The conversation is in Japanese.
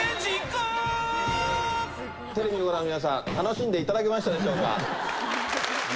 テレビをご覧の皆さん、楽しんでいただけましたでしょうか。